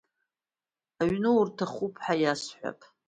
Аҩны урҭахуп ҳәа иасҳәап…